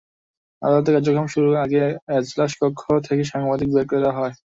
আদালতের কার্যক্রম শুরুর আগে এজলাসকক্ষ থেকে সাংবাদিকদের বের করে দেওয়া হয়।